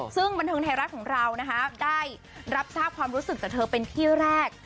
ซึ่งบันเทิงไทยรัฐของเรานะคะได้รับทราบความรู้สึกจากเธอเป็นที่แรก